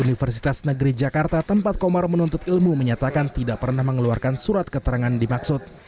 universitas negeri jakarta tempat komar menuntut ilmu menyatakan tidak pernah mengeluarkan surat keterangan dimaksud